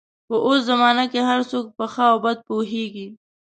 په اوس زمانه کې هر څوک په ښه او بده پوهېږي